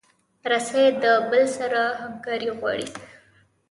رسۍ له بل سره همکاري غواړي.